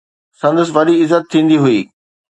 سندس وڏي عزت ٿيندي هئي.